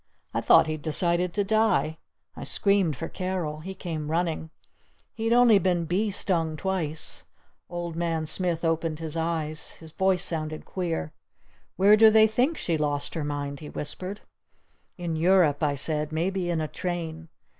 I thought he'd decided to die. I screamed for Carol. He came running. He'd only been bee stung twice. Old Man Smith opened his eyes. His voice sounded queer. "Where do they think she lost her mind?" he whispered. "In Europe," I said. "Maybe in a train!